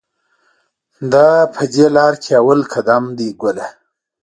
دا په دې لار کې اول قدم دی ګله.